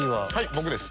僕です。